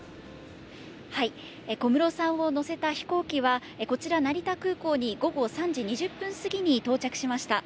小室さんを乗せた飛行機は、こちら、成田空港に午後３時２０分過ぎに到着しました。